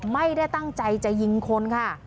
ไม่ได้ตั้งใจจะยิงคนค่ะ